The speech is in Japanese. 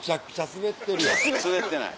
スベってない。